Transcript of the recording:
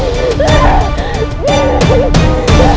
tetapi tolong aku